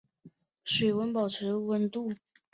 煮沸一锅水后保持温度。